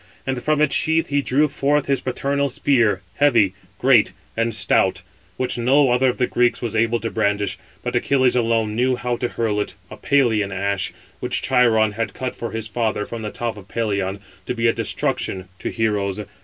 And from its sheath he drew forth his paternal spear, heavy, great, and stout, which no other of the Greeks was able to brandish, but Achilles alone knew how to hurl it—a Pelian ash, which Chiron had cut for his father from the top of Pelion, to be a destruction to heroes.